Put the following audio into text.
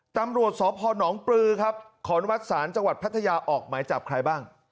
ตำรวจสอบพ่อน้องปลือครับขอนวัดศาลจังหวัดพัทยาออกไหมจากใครบ้าง